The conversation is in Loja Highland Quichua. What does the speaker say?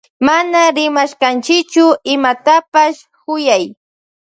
Mana rimashkanchichu imatapash kuyay.